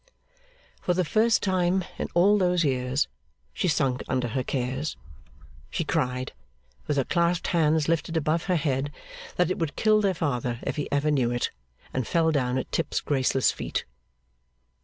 For the first time in all those years, she sunk under her cares. She cried, with her clasped hands lifted above her head, that it would kill their father if he ever knew it; and fell down at Tip's graceless feet.